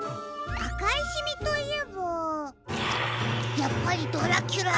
あかいシミといえばやっぱりドラキュラだ！